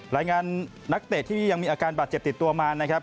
นักเตะที่ยังมีอาการบาดเจ็บติดตัวมานะครับ